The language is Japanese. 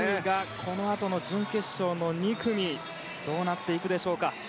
このあと準決勝２組でどうなっていくでしょうか。